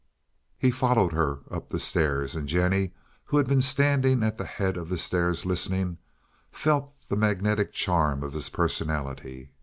He followed her up the stairs, and Jennie, who had been standing at the head of the stairs listening, felt the magnetic charm of his personality.